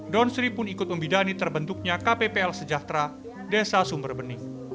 don sri pun ikut membidani terbentuknya kppl sejahtera desa sumber bening